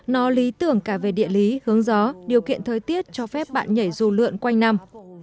nó lý tưởng cả về địa lý hướng gió điều kiện thời tiết cho phép bạn nhảy dù lượn quanh năm